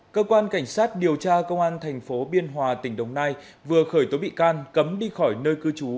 cơ quan cảnh sát điều tra công an thành phố biên hòa tỉnh đồng nai vừa khởi tố bị can cấm đi khỏi nơi cư trú